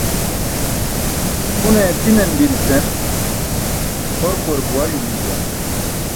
"ẓakune ti̇nan bi" nusen horkuwar buwar yuum juwan.